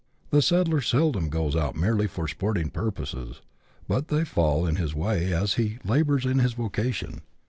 The settler seldom goes out merely for sporting purposes, but they fall in his way as he labours in his vocation.